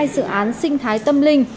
hai sự án sinh thái tâm linh